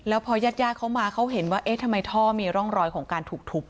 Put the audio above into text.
แล้วพอญาติญาติเขามาเขาเห็นว่าเอ๊ะทำไมท่อมีร่องรอยของการถูกทุบ